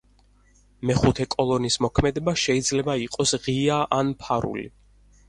მეხუთე კოლონის მოქმედება შეიძლება იყოს ღია ან ფარული.